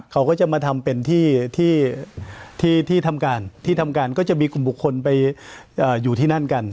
เขาก็จะมาทำเป็นที่ทำการที่ทำการก็จะมีกลุ่มบุคคลไปอยู่ที่นั่นกัน